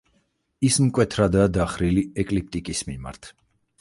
ის მკვეთრადაა დახრილი ეკლიპტიკის მიმართ.